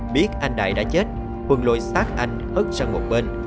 biết anh đại đã chết quân lội xác anh ớt sang một bên